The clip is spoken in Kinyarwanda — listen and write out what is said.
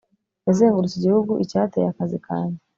yazengurutse igihugu 'icyateye akazi kanjye